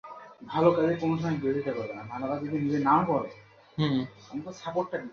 এই অপারগতাসুলভ দুঃখ তার অন্তরে আবু সুফিয়ানের প্রতি ঘৃণা সৃষ্টি করেছিল।